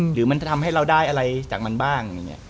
หรือมันจะทำให้เราได้อะไรจากมันบ้างอย่างนี้